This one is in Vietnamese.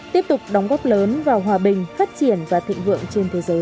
tiếp tục đóng góp lớn vào hòa bình phát triển và thịnh vượng trên thế giới